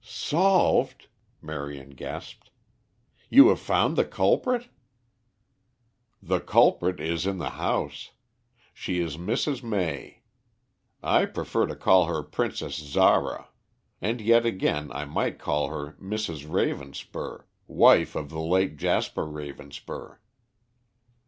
"Solved?" Marion gasped. "You have found the culprit?" "The culprit is in the house. She is Mrs. May. I prefer to call her Princess Zara; and yet again I might call her Mrs. Ravenspur, wife of the late Jasper Ravenspur.